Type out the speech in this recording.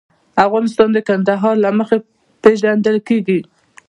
افغانستان د کندهار له مخې پېژندل کېږي.